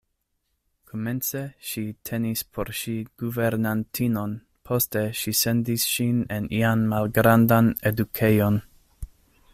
Komence ŝi tenis por ŝi guvernantinon, poste ŝi sendis ŝin en ian malgrandan edukejon.